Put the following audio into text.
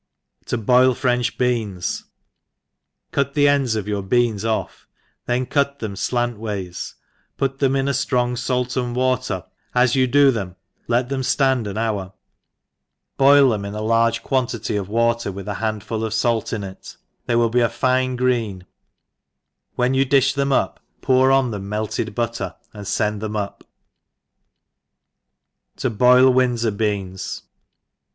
?p ^^i7 French Beans* CUT the tTiA\ of your beans off, then cut them nant ways, put them in a ftrong fait and water, as you do them, let them ftand an hour, boil them in a hrge quantity of water with a handful of fait in it, they will be a fine green; when you di(h them up, pour on them melted butter^ and fend them up* To boil Windsor Beans.